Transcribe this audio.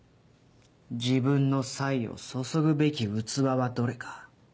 自分の才を注ぐべき器はどれか。